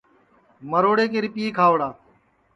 مروڑے کے رِپِئے کھاؤڑا